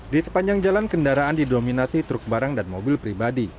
di sepanjang jalan kendaraan didominasi truk barang dan mobil pribadi